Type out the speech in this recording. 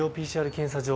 ＰＣＲ検査場